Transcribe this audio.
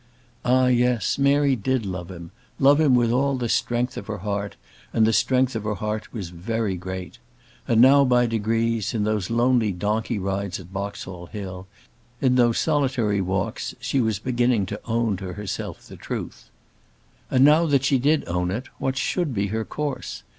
Ah! yes; Mary did love him; love him with all the strength of her heart; and the strength of her heart was very great. And now by degrees, in those lonely donkey rides at Boxall Hill, in those solitary walks, she was beginning to own to herself the truth. And now that she did own it, what should be her course?